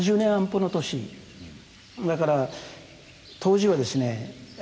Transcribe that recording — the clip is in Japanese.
だから当時はですね